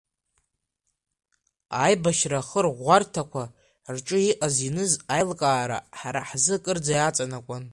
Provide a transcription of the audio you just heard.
Аибашьра ахырӷәӷәарҭақәа рҿы иҟаз-иныз аилкаара, ҳара ҳзы кырӡа аҵанакуан.